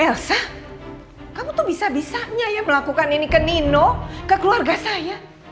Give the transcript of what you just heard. elsa kamu tuh bisa bisanya ya melakukan ini ke nino ke keluarga saya